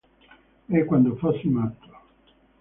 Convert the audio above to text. E quando fossi matto.